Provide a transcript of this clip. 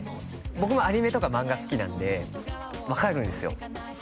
僕もアニメとかマンガ好きなんで分かるんですよ